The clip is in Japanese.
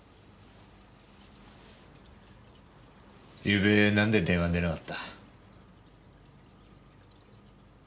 ゆうべなんで電話に出なかった？